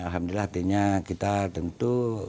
alhamdulillah kita tentu